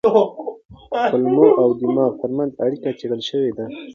کولمو او دماغ ترمنځ اړیکه څېړل شوې ده.